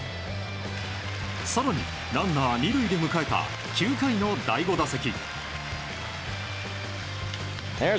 更に、ランナー２塁で迎えた９回の第５打席。